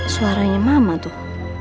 suaranya mama tuh